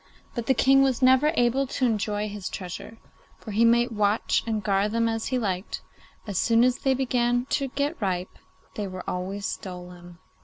But the King was never able to enjoy his treasure, for he might watch and guard them as he liked, as soon as they began to get ripe they were always stolen.